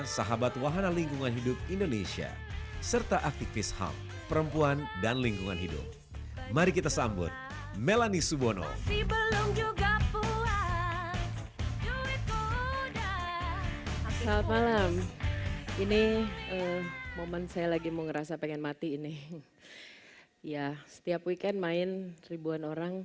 setiap weekend main ribuan orang